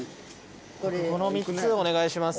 この３つお願いします。